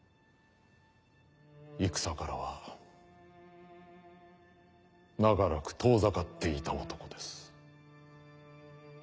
戦からは長らく遠ざかっていた男です。